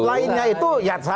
lainnya itu ya salah